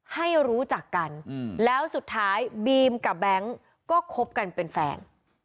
ให้รู้จักกันแล้วสุดท้ายบีมกับแบงค์ก็คบกันเป็นแฟน